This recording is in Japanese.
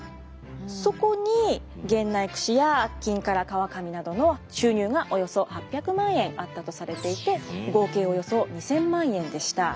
そこに源内くしや金唐革紙などの収入がおよそ８００万円あったとされていて合計およそ２，０００万円でした。